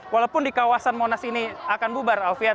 walaupun di kawasan monas ini akan bubar alfian